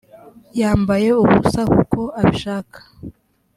yambaye ubusa kuko abishaka